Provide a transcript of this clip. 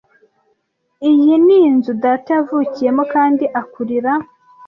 Iyi ni inzu data yavukiyemo kandi akurira.